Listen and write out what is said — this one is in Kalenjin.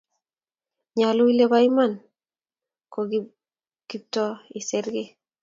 nyoluu ile bo iman koKiptoo iser kiy